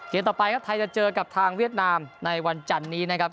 ต่อไปครับไทยจะเจอกับทางเวียดนามในวันจันนี้นะครับ